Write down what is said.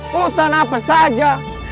hutan apa saja